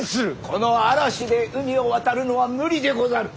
この嵐で海を渡るのは無理でござる。